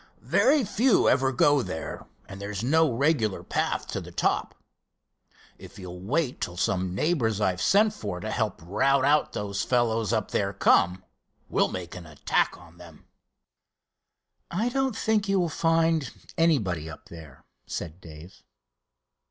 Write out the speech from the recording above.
"Very few ever go there, and there's no regular path to the top. If you'll wait till some neighbors I've sent for to help rout out those fellows up there come, we'll make an attack on them." "I don't think you will find anybody up there," said Dave.